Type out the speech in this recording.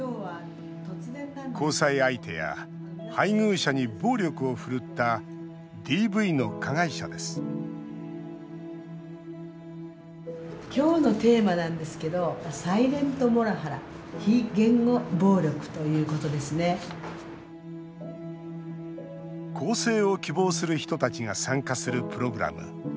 交際相手や配偶者に暴力を振るったＤＶの加害者です更生を希望する人たちが参加するプログラム。